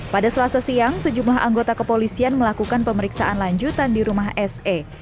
pada selasa siang sejumlah anggota kepolisian melakukan pemeriksaan lanjutan di rumah se